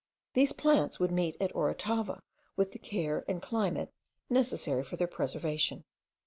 These plants would meet at Orotava with the care and climate necessary for their preservation.